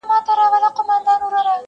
د زړه په تل کي مي زخمونه اوس په چا ووینم؛